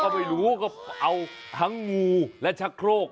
ก็ไม่รู้ก็เอาทั้งงูและชักโครก